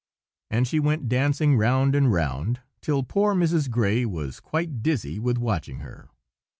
and she went dancing round and round, till poor Mrs. Gray was quite dizzy with watching her.